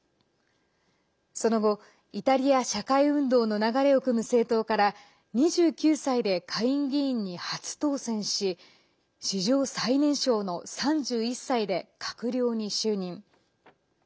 その後、イタリア社会運動の流れをくむ政党から２９歳で下院議員に初当選し史上最年少の３１歳で閣僚に就任。